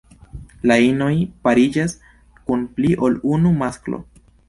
La inoj pariĝas kun pli ol unu masklo.